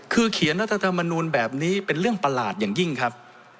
คือเขียนรัฐธรรมนูลแบบนี้เป็นเรื่องประหลาดอย่างยิ่งครับ